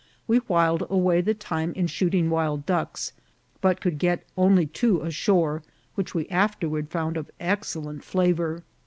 We whiled away the time in shooting wild ducks, but could get only two ashore, which we afterward found of excellent flavour.